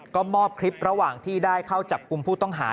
ก็มอบคลิประหว่างที่ได้เข้าจับกลุ่มผู้ต้องหา